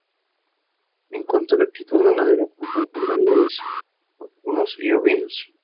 En cuanto a la actividad ganadera cuentan con ganados vacunos y ovinos.